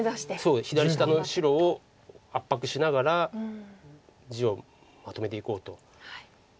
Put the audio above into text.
そう左下の白を圧迫しながら地をまとめていこうと。